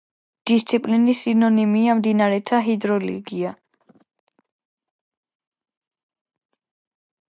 დისციპლინის სინონიმია: მდინარეთა ჰიდროლოგია.